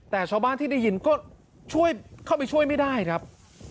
แต่ชาวบ้านที่ได้ยินก็ช่วยเข้าไปช่วยไม่ได้ครับ